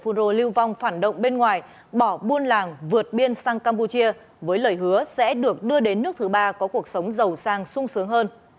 phun rô lưu vong phản động bên ngoài bỏ buôn làng vượt biên sang campuchia với lời hứa sẽ được đưa đến nước thứ ba có cuộc sống giàu sang sung sướng hơn